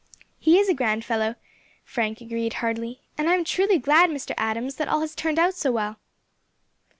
"He is a grand fellow," Frank agreed heartily, "and I am truly glad, Mr. Adams, that all has turned out so well."